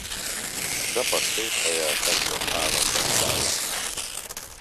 A csapat székhelye a Texas állambeli Dallas.